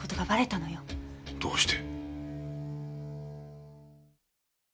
どうして？